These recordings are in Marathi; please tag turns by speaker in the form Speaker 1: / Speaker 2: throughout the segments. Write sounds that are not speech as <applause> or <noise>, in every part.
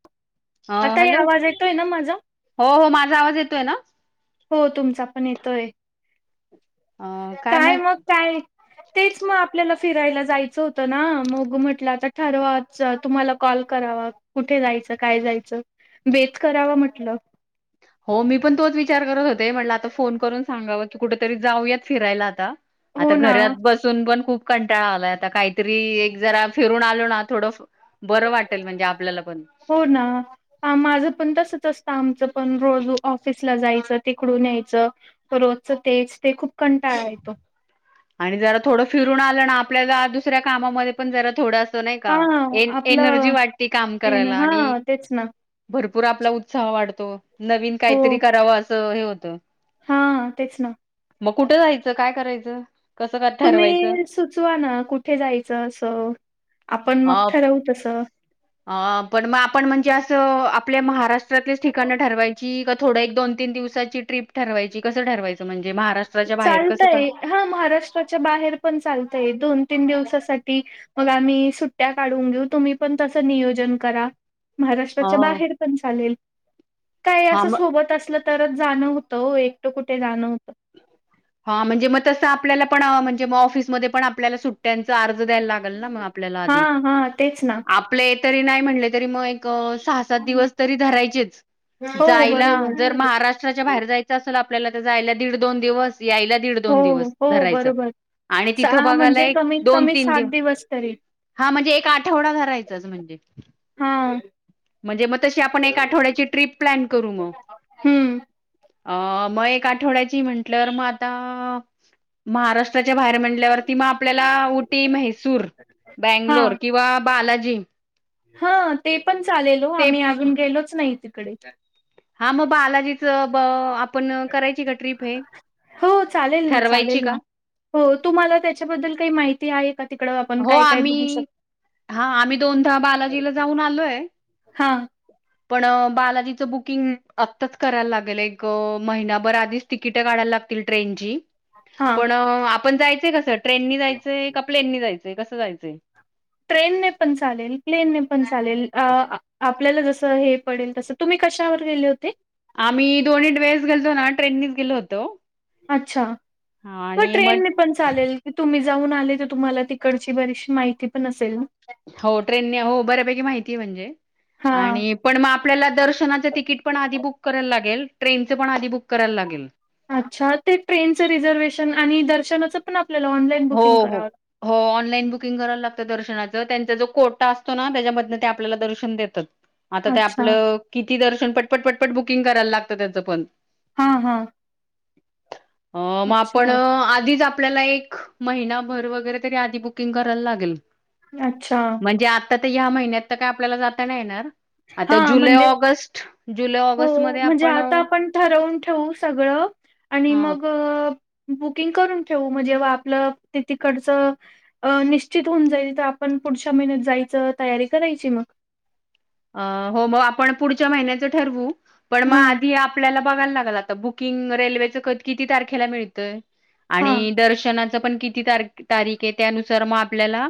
Speaker 1: <inaudible> ह
Speaker 2: आताही
Speaker 1: हॅलो
Speaker 2: आवाज येतोय ना माझा?
Speaker 1: हो हो माझा आवाज येतोय ना?
Speaker 2: हो तुमचा पण येतोय. काय मग काय? तेच मग आपल्याला फिरायला जायचं होतं ना मग म्हटलं आता ठरवाव तुम्हाला कॉल करावा कुठे जायचं काय जायचं बेत करावा म्हटलं.
Speaker 1: ते म्हटलं आता फोन करून सांगाव की कुठेतरी जाऊयात फिरायला आता.
Speaker 2: हो
Speaker 1: आता
Speaker 2: ना.
Speaker 1: घरात बसून पण खूप कंटाळा आलाय आता काहीतरी एक जरा फिरून आलो ना थोडं बरं वाटेल म्हणजे आपल्याला पण
Speaker 2: हो ना ह माझ पण तसच असत. आमच पण रोज ऑफिसला जायचं तिकडून यायचं रोजच तेच ते खूप कंटाळा येतो.
Speaker 1: आणि जरा थोडं फिरून आलं ना आपल्याला दुसऱ्या कामामध्ये पण जरा थोडं नाही
Speaker 2: हा
Speaker 1: का एनर्जी
Speaker 2: आपलं
Speaker 1: वाटती काम
Speaker 2: येणं,
Speaker 1: करायला आणि
Speaker 2: हा तेच ना
Speaker 1: भरपूर आपला उत्साह वाढतो. <inaudible> नवीन
Speaker 2: हो
Speaker 1: काहीतरी करावं अस हे होतं.
Speaker 2: हा तेच ना.
Speaker 1: मग कुठं जायचं काय करायचं <inaudible> ठरवायचं
Speaker 2: तुम्ही सुचवा ना कुठे जायचं असं आपण
Speaker 1: अ
Speaker 2: मग ठरवु तसं.
Speaker 1: अ पण मग आपण म्हणजे असं आपल्या महाराष्ट्र ठिकाण ठरवायची थोड एक दोन तीन दिवसाची ट्रीप ठरवाची कस ठरवायची म्हणजे महाराष्ट्राच्या बाहेर कसं काय?
Speaker 2: चालतय हा महाराष्ट्राच्या बाहेर पण चालतय दोन तीन दिवसासाठी मग आम्ही सुट्ट्या काढून घेऊ तुम्ही पण तसं नियोजन करा
Speaker 1: अ,
Speaker 2: महाराष्ट्राच्या बाहेर पण चालेल काय
Speaker 1: हां,
Speaker 2: असं
Speaker 1: मग
Speaker 2: सोबत असल तरच जाणं होतं एकटं कुठे जाणं होत
Speaker 1: हा म्हणजे मग तस आपल्याला पण म्हणजे ऑफिसमध्ये पण आपल्याला सुट्ट्यांचा आर्ज द्यालागल न आपल्या
Speaker 2: हा
Speaker 1: आधी
Speaker 2: हा तेच ना.
Speaker 1: आपल तरी नाही म्हटले तरी मग एक सहा सात दिवस तरी धरायचेच
Speaker 2: हो
Speaker 1: जायला
Speaker 2: बरोबर
Speaker 1: जर महाराष्ट्राच्या बाहेर जायच असल आपल्याला तर जायला दीड दोन दिवस यायला दीड
Speaker 2: हो
Speaker 1: दोन दिवस
Speaker 2: हो
Speaker 1: धरायच
Speaker 2: बरोबर.
Speaker 1: आणि
Speaker 2: सा
Speaker 1: तिथ बघायला
Speaker 2: म्हणजे
Speaker 1: एक
Speaker 2: कमीत
Speaker 1: दोन
Speaker 2: कमी
Speaker 1: तीन
Speaker 2: सात
Speaker 1: दिवस
Speaker 2: तरी
Speaker 1: हा म्हणजे एक आठवडा धरायचाच म्हणजे
Speaker 2: हा
Speaker 1: म्हणजे मग तशी आपण एक आठवड्याची तरी प्लन करू मग
Speaker 2: हम्म
Speaker 1: अ मग एक आठवड्या ची म्हनल्यवर मग आता महाराष्ट्र च्या बाहेर म्हणाल्यावर आपल्या उटी म्हैसूर
Speaker 2: हा.
Speaker 1: बंगलोर किंवा बाला.... जी
Speaker 2: हा ते पण चालेल हो आम्ही अजून गेलोच नाही तिथ कडे
Speaker 1: हा मग बालाजीच ब आप..
Speaker 2: हो चालेल ना
Speaker 1: ठरवायची
Speaker 2: चालेल
Speaker 1: का?
Speaker 2: ना हो तुम्हाला त्याच्याबद्ल काय माहिती आहे का तिकडं आपण
Speaker 1: हो
Speaker 2: काय काय
Speaker 1: आम्ही
Speaker 2: बघू शकतो?
Speaker 1: हा आम्ही दोनदहा बालाजीला जाऊन आलोय
Speaker 2: हा
Speaker 1: पण बालाजीचं बुकिंग आत्ताच करायला लागेल एक महिनाभर आधीच तिकिट काढायला लागतील ट्रेनची
Speaker 2: हा
Speaker 1: पण आप पण जायंय कसं ट्रेननी जायचय का प्लेननी जायचं ते कसं जायचं
Speaker 2: ट्रेनने पण चालेल प्लेनने पण चालेल अ आपल्याला जसं हे पडेल तसं तुम्ही कशावर गेले होते
Speaker 1: आम्ही दोन्ही वेळेस गेलतो ना ट्रेननीच गेलो होतो
Speaker 2: अच्छा मग ट्रेनने पण चालेल की तुम्ही जाऊन आले तर तुम्हाला तिकडची बरीचशी माहिती पण असेल
Speaker 1: हो ट्रेनने हो बऱ्यापैकी माहिती म्हणजे
Speaker 2: हा.
Speaker 1: आणि पण मग आपल्याला दर्शनाच तिकीट पण आधी बुक करायला लागेल ट्रेनचं पण आध बुक करायला लागेल
Speaker 2: अच्छा ते ट्रेनचं रिझर्वेशन आणि दर्शनाचं पण आप
Speaker 1: हो हो हो ऑनलाईन बुकिंग कराला लागत दर्शना ज त्यांचा जो कोटा असतो ना त्याच्यामध ते आपल्याला दर्शन देतात आता
Speaker 2: लागतं.
Speaker 1: ते
Speaker 2: अच्छा
Speaker 1: आपलं किती दर्शन पटपट पटपट बुक कुकिंग करायला लागतं त्याचं पण
Speaker 2: हा हा
Speaker 1: अ मग
Speaker 2: अच्छा.
Speaker 1: आपण आधीच आपल्याला एक महिनाभर वगैरे तरी आधी बुकिंग करायला लागेल
Speaker 2: अच्छा
Speaker 1: आ तर या्या महिन्यात तर काय आपल्याला जाता नाही येणार आता
Speaker 2: हां,
Speaker 1: जुलै
Speaker 2: म्हणजे
Speaker 1: ऑगस्ट ज
Speaker 2: हो म्हणजे आता आपण ठरवून ठेवू सगळं आणि
Speaker 1: हा
Speaker 2: मग बुकिंग करून ठेवू जेव्हा आपलं ति तकडच निश्चित होऊन जाईल तर आपण पुढच्या महिन्यात जायचं तयारी करायची मग
Speaker 1: अ हो म आपण पुढच्या महिन्याचं ठरवू पण मग
Speaker 2: हां,
Speaker 1: आधी आपल्याला बघायला लागल आता बुकिंग रेल्वेचं क किती तारखेला भेटतय आणि
Speaker 2: हां,
Speaker 1: दर्शना ण किती तारीख आहे त्यानुसार मग आपल्याला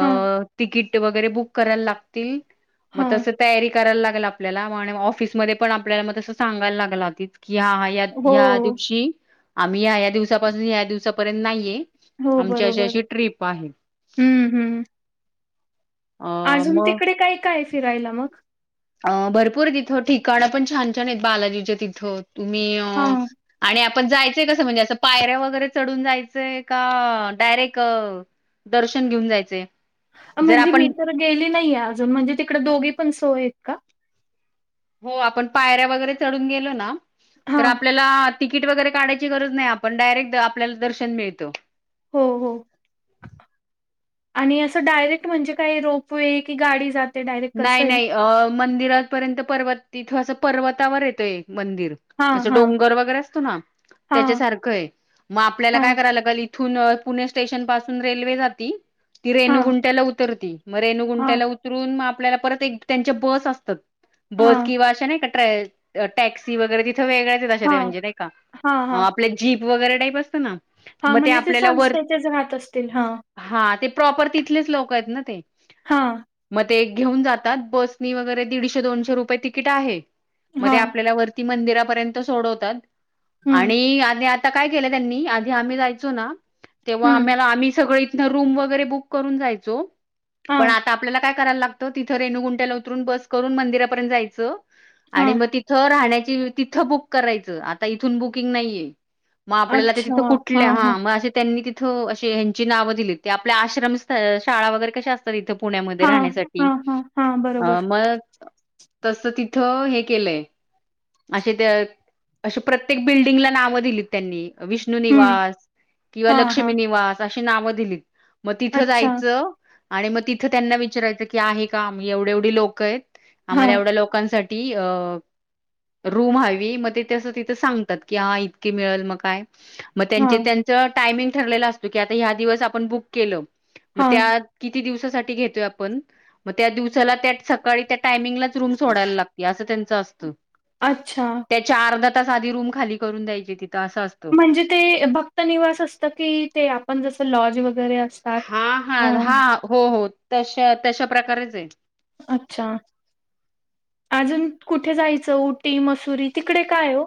Speaker 2: हां,
Speaker 1: तिकीट वगैरे बुक करायला लागतील मग
Speaker 2: हां.
Speaker 1: तस तयारी करायला लागल आपल्याला ऑफिसमध्येध्ये पण आपल्याला मग तसं सांगायला लागलाी कि हा हा या
Speaker 2: हो,
Speaker 1: ह दिवशी आम्ही या्या दिवसापासून या दिवसापर्यंत नाहीये
Speaker 2: हो
Speaker 1: आमची अशी
Speaker 2: बरोबर
Speaker 1: अशी ट्रिप आहे
Speaker 2: हम्म हम्म
Speaker 1: अ
Speaker 2: अजून तिकडे काय काय फिरायला मग
Speaker 1: अं भरपूर तिथं ठिकाणं पण छान छान आहेत बालाजीच्या तिथं तुम्ी
Speaker 2: हां.
Speaker 1: आणि पण जायचंय कसं म्हणजे असं पायऱ्या वगैरे चढून जायचंय का डायरेक्ट दर्शन घेऊन जायचंय
Speaker 2: अ
Speaker 1: जर
Speaker 2: म्हणजे मी
Speaker 1: आपण
Speaker 2: तर गेली नाहीये अजून म्हणजे तिकडे दोघी पण सोय का
Speaker 1: हो आपण पायऱ्या वगैरे चढून गेलो ना तर
Speaker 2: हां.
Speaker 1: आपल्याला तिकीट वगैरे काढाची गरज नाही आपण डायरेक्ट आपल्याला दर्शन मिळतो
Speaker 2: हो हो. आणि असं डायरेक्ट म्हणजे काही रोपवेे कि गाडी जात....
Speaker 1: नाही नाही अ मंदिरपर्यंत पर्वत... तिथू असं पर्वतावर येतोय. मंदिर
Speaker 2: हां,
Speaker 1: असं
Speaker 2: हां,
Speaker 1: डोंगर वगैरे असतो ना त्याच्या
Speaker 2: हां,
Speaker 1: सारखं आहे मग आपल्याला काय
Speaker 2: हां,
Speaker 1: कराय लागल. थून पुणे स्टेशन पासून रेल्वे जातील... ती
Speaker 2: हां,
Speaker 1: रेणुगुंट्याला... उतरती. म
Speaker 2: हां,
Speaker 1: रेनुगुंट्याला उतरून.. आपल्याला परत एक त्यांच्या बस असतात. बोस
Speaker 2: हां,
Speaker 1: की वाषा नाही क... टॅक्स वगैरे... थ वेगळ्याचश
Speaker 2: हां,
Speaker 1: म्हणजे नाही का आपले जीप... वगैरे टाईप असतं ना.
Speaker 2: हा
Speaker 1: मग
Speaker 2: म्हणजे ते
Speaker 1: आपल्याला वर
Speaker 2: संस्थेच्याच राात असतील हा.
Speaker 1: हां, ते प्रॉपर तिथलेच लोक आहेत ना ते..
Speaker 2: हा.
Speaker 1: मग ते घेऊन जातात बस वगैरे दीडशे दोनशे रुपये तिकीट आहे. मध्ये
Speaker 2: हां,
Speaker 1: आपल्याला वरती... मंदिरापर्यंत सोडवतात.
Speaker 2: हं,
Speaker 1: आणि आ आता. आता काय केलं त्यांनी आधी आम्ही जायचो ना.... तेव्हा
Speaker 2: हं,
Speaker 1: आम्हाला आम्ही सगळे... रूम वगैरे बुक करून जायचो
Speaker 2: हां,
Speaker 1: पण आता आपल्याला काय कराय लागत. तिथं रेणुगुंट्याला उतरून बस करून मंदिरापर्यंत जायचं. आणि
Speaker 2: हां,
Speaker 1: मग तिथं राहण्याची... तिथं बुक करायचं आता इथून बुकिंग नाहीये. मग आपल्याला
Speaker 2: अच्छा.
Speaker 1: तिथं कुठल्या
Speaker 2: हां,
Speaker 1: हा
Speaker 2: हां,
Speaker 1: मग अस त्यांनीथ... ह्यांची नाव दिली ते आपल्या आश्रम शाळा वगैरे कश असतात. पुण्यामध्ये
Speaker 2: हां,
Speaker 1: राहण्यासाठी...
Speaker 2: हां, हां, हां,
Speaker 1: अ
Speaker 2: बरोबर.
Speaker 1: मग. तस तिथं हे केलंय असे त्या अे प्रत्येक बिल्डिंगला नावं दिलीत त्यांनी... विष्णु
Speaker 2: हं,
Speaker 1: निवास किंवा
Speaker 2: हां,
Speaker 1: लक्ष्मी
Speaker 2: हां,
Speaker 1: निवास... अशी नाव दिली... मग तिथं
Speaker 2: अच्छा.
Speaker 1: जायचं. आणि मग तिथं त्यांना विचारायचं की आहे क काम एवढे एवढी लोकं येत आम्हाला
Speaker 2: हां,
Speaker 1: एवढ्या लोकांसाठी टी रूम हवी मग ते तं तिथं सांगतात की हा इतके मिळेल मग काय मग त्यांच
Speaker 2: हां,
Speaker 1: त्यांच टामिंग ठरलेला असतो की आ ह दिवस आपण बुक केलं. मग
Speaker 2: हां,
Speaker 1: त्या किती दिवस सासाठी घेतोय आपण मग त्या दिवसाला त्या सकाळी त्या टायमिंगलाच रूम सोडायला लागते अस त्याचं च असत.
Speaker 2: अच्छा.
Speaker 1: साधी रूम खाली करून दयाची तिथं असं असतं.
Speaker 2: म्हणजे ते भक्त निवास असत की ते आपण जस लॉज वगै
Speaker 1: हा हा हा हो हो. तश तशा प्रकारेचे.
Speaker 2: अच्छा अजून कुठे जायचं उऊटी मसुरी तिकडे काय ओ?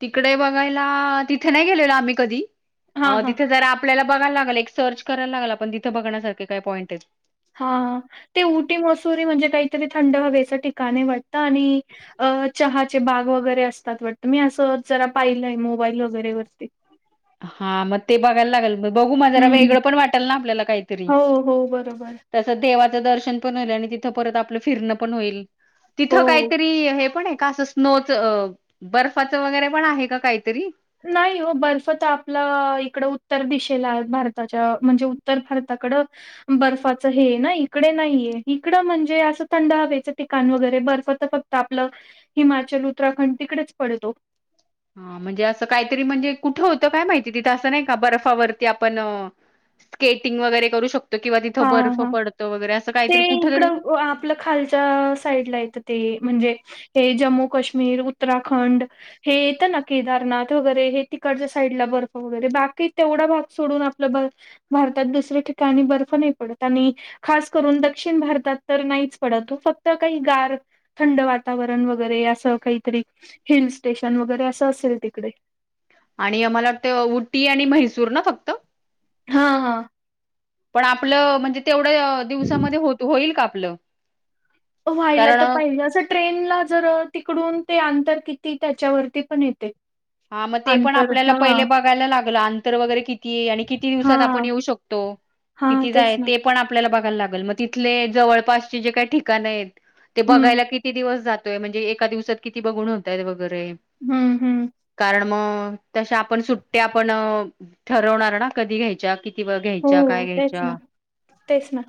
Speaker 1: तिकडे बघायला तिथे नाही गेलेला आम्ही कधी
Speaker 2: हा
Speaker 1: अं
Speaker 2: हा.
Speaker 1: तिथे जरा आपल्याला बघायला लागलं एक सर्च करायला लागला आपण तिथे बघण्यासारखे काय पॉईंट आहेत.
Speaker 2: हा ते उऊटी मसुरी म्हणजे काहीतरी थंड हवेच ठिकाणे वाटत? ता आणि अ चहा चे बाग वगैरे असतात वाटत मी अस जरा पाहिलंय मोबाईल वगैरे वरती
Speaker 1: हा मग ते बघायला लागेल म बघू माझरा
Speaker 2: हम्म.
Speaker 1: वेगळं पण वाटेल ना आपल्याला काहीतरी.
Speaker 2: हो हो बरोबर.
Speaker 1: तसं देवाचं दर्शन पण होईल आणि तिथं परत आपलं फिरण पण होईल. तिथं
Speaker 2: हो.
Speaker 1: काहीतरी हे पण ये. का असं स्नोच बर्फाचं वगैरे पण आहे का काहीतरी
Speaker 2: नाही हो बर्फ तर आपला इकडं उत्तर दिशेला आहे. भारताच्या म्हणजे उत्तर भारताकडं बर्फाच हे ना इकडे नाहीये इकडं म्हणजे असं थंड हवेचं ठिकाण वगैरे बर्फ तर फक्त आपलं हिमाचल उत्तराखंड तिकडेच पडतो.
Speaker 1: हा म्हणजे असं काहीतरी म्हणजे कुठं होतं काय माहिती तिथं असं नाही का बर्फावरती आपण स्केटिंग वगैरे करू शकत
Speaker 2: हा हा ते
Speaker 1: कुठ तरी
Speaker 2: इकडं आपलं खालच्या साईडला येतं ते म्हणजे हे जम्मू काश्मीर उत्तराखंड हे येतं ना केदारनाथ वगैरे हे तिकडच्या साईडला बर्फ वगैरे बाकी तेवढा भाग सोडून आपलं भारतात दुसऱ्या ठिकाणी बर्फ नाही पडत आणि खास करून दक्षिण भारतात तर नाहीच पडत फक्त काही गार थंड वातावरण वगैरे असं काहीतरी हिल स्टेशन वगैरे अस असेल तिकडे
Speaker 1: आणि आम्हाला वाटतं उटी आणि म्हैसूर ना फक्त
Speaker 2: हा हा
Speaker 1: पण आपलं म्हणजे तेवढं.. दिवसामध्ये हो होईल का हलो
Speaker 2: व्हायला तर पाहिजे असं ट्रेनला जर तिकडून.. ते आंतर किती त्याच्यावरती पण येते.
Speaker 1: हा मग ते पण
Speaker 2: अंतर
Speaker 1: आपल्याला
Speaker 2: हा
Speaker 1: पहिले बघायला लागलं अंतर वगैरे किती आहे आणि किती दिवसात आपण
Speaker 2: हा
Speaker 1: येऊ शकतो
Speaker 2: हा
Speaker 1: किती जा आहे
Speaker 2: तेच ना
Speaker 1: ते पण आपल्याला बघा. लागल मग तिथले जवळपासचे जे काही ठिकाण आहेत. ते
Speaker 2: हम्म
Speaker 1: बघायला किती दिवस जात.. म्हणजे एका दिवसात किती बघून होतय बघ..
Speaker 2: हम्म हम्म
Speaker 1: कारण मग तशा आपण सुट्ट्या पण ठरवणार ना कधी घ्यायच्या कि..
Speaker 2: हो तेच ना तेच ना..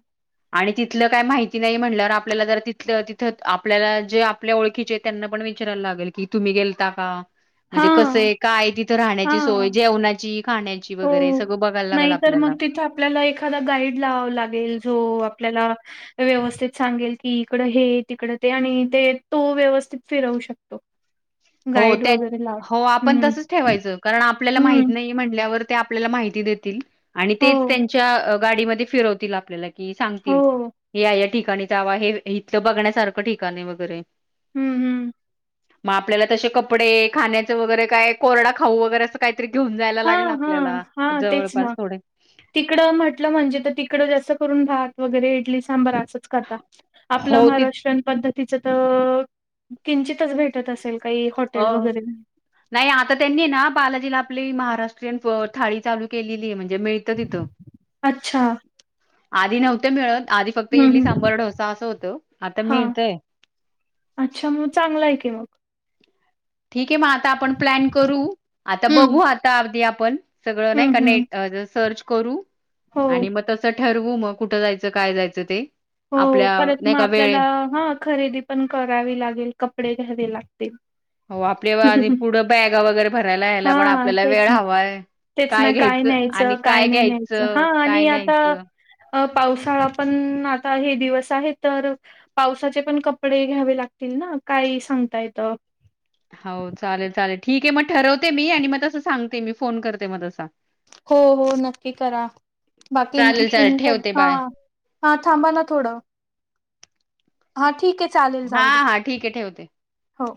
Speaker 1: आणि तिथलं काही माहिती नाही म्हटल्यावर आपल्याला जर तिथलं तिथं आपल्याला जे आपल्या ओळखीचे त्यांना पण विचारायला लागेल की तुम्ही गेलता का.
Speaker 2: हा
Speaker 1: म्हणजे कसंय काय तिथं
Speaker 2: हा
Speaker 1: राहण्याची सोय जेवणाची खाण्याची
Speaker 2: हो
Speaker 1: वगैरे सगळं बघायला लागेल
Speaker 2: नाही तर
Speaker 1: आपल्याला
Speaker 2: मग तिथं आपल्याला एखादा गाईड लाव लागेल जो आपल्याला. व्यवस्थित सांगेल की इकड हे तिकड ते आणि ते तो व्यवस्थित फिरवू शकतो.. गाईड वगैरे लाव
Speaker 1: हो आपण
Speaker 2: हम्म
Speaker 1: तसच ठेवायचं कारण आपल्याला माहित
Speaker 2: हम्म
Speaker 1: नाही म्हटल्यावर.. ते आपल्याला माहिती देतील. आणि
Speaker 2: हो
Speaker 1: तेच त्यांच्या.. गाडीमध्येध्ये फिरवतील आपल्याला. की
Speaker 2: हो
Speaker 1: सांगतील हे ठिकाणी जावा हे इथलं बघण्यासारखं ठिकाणी वगैरे..
Speaker 2: हम्म हम्म
Speaker 1: माप आपल्याला तसे कपडे खाण्याच वगैरे काय कोरडा खाऊ वगैरे असं काय.
Speaker 2: हा हा हा तेच
Speaker 1: जवळपास
Speaker 2: ना
Speaker 1: थोडे
Speaker 2: तिकडं म्हटलं म्हणजे तर तिकडं जस. करून भात वगैरे इडली सांबर.. आप
Speaker 1: हो ती
Speaker 2: म प तिच तर किंचितच भेटत असेल.. काही
Speaker 1: अ
Speaker 2: हॉटेल वगैरे
Speaker 1: नाही आता त्यांनी ना बालाजीला आप महाराष्ट्रीयन थाळी चालू केलेली आहे म्हज म्हणे मिळत तिथ
Speaker 2: अच्छा
Speaker 1: आधी नव्हतं मिळत आधी फक्त
Speaker 2: हम्म
Speaker 1: इडली
Speaker 2: हम्म
Speaker 1: सांबर डोसा अस होतो आता
Speaker 2: हा
Speaker 1: मिळतय..
Speaker 2: अच्छा मग चांगलं आहे की मग
Speaker 1: ठीक आहे मग आता आपण प्लॅन करू आता
Speaker 2: हम्म
Speaker 1: बघू आता अगदी पण सगळं नाही का
Speaker 2: हम्म हम्म
Speaker 1: नेट सर्च करू
Speaker 2: हो
Speaker 1: आणि मग तस ठरवू मग कुठं जायचं काय जायचं ते
Speaker 2: हो
Speaker 1: आपल्या
Speaker 2: परत
Speaker 1: नाही
Speaker 2: मग
Speaker 1: का वेळ
Speaker 2: आपल्याला हा खरेदी पण करावी लागेल कपडे घ्यावे लागतील.
Speaker 1: हो आपल्या पुढं बॅग वगैरे भरायला यायला पण
Speaker 2: हा
Speaker 1: आपल्याला
Speaker 2: तेच
Speaker 1: वेळ
Speaker 2: ना
Speaker 1: हवाय
Speaker 2: तेच ना
Speaker 1: काय घ्यायचं
Speaker 2: न्यायचं
Speaker 1: आणि काय
Speaker 2: नाही न्यायचं हा
Speaker 1: घ्यायचं
Speaker 2: आणि
Speaker 1: काय
Speaker 2: आता
Speaker 1: न्यायचं?
Speaker 2: अ पावसाळा पण ना आता हे दिवस आहे तर पावसाचे पण कपडे घ्यावे लागतील ना काही सांगता येत
Speaker 1: हो चालेल चालेल ठीक आहे म्ह ठरवते मी आणि मग तं सांगते मी फोन करते म तसं
Speaker 2: हो, हो नक्की करा बाकी
Speaker 1: चालेल चालेल
Speaker 2: तुमच
Speaker 1: ठेवते
Speaker 2: हा,
Speaker 1: बाय.
Speaker 2: हा थांबा ना थोडं हा ठीक आहे चालेल
Speaker 1: हा,
Speaker 2: जाऊ दे
Speaker 1: हा ठीक आहे ठेवते.
Speaker 2: हो